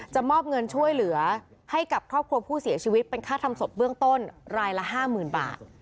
มอบเงินช่วยเหลือให้กับครอบครัวผู้เสียชีวิตเป็นค่าทำศพเบื้องต้นรายละ๕๐๐๐บาท